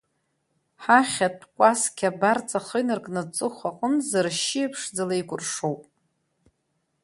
Ҳахьатә кәасқьа абарҵа ахы инаркны аҵыхәа аҟынӡа ршьиа ԥшӡала икәыршоуп.